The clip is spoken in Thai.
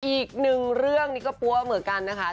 อีกหนึ่งเรื่องนี้ก็ปั้วเหมือนกันนะคะ